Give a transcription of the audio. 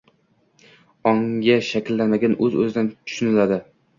ongi shakllanmagani o‘z-o‘zidan tushuniladi.